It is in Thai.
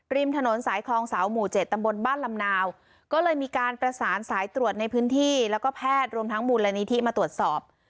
ริมถนนสายคลองเสาหมู่๗ตำบลบ้านลำนาวก็เลยมีการประสานสายตรวจในพื้นที่แล้วก็แพทย์รวมทั้งมูลนิธิมาตรวจสอบ